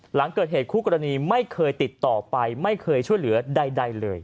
หลังเกิดเหตุคู่กรณีไม่เคยติดต่อไปไม่เคยช่วยเหลือใดเลย